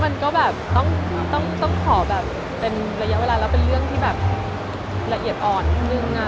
มันจากทอคจึงถึงเนี่ยก็ขอให้เป็นเรื่องของพวกเราก่อนนะคะ